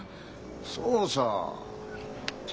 そうさ。